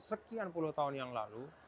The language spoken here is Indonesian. sekian puluh tahun yang lalu